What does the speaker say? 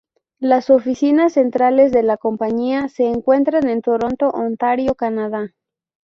Las oficinas centrales de la compañía se encuentran en Toronto, Ontario, Canadá.